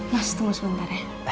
mas tunggu sebentar ya